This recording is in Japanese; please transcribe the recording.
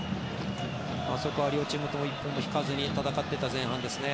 そこは両チームとも一歩も引かずに戦っていた前半ですね。